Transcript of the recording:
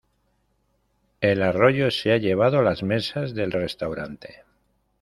El arroyo se ha llevado las mesas del restaurante.